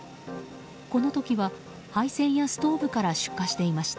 この時は配線やストーブから出火していました。